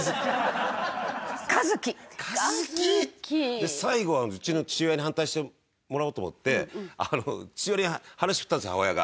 で最後はうちの父親に反対してもらおうと思って父親に話振ったんですよ母親が。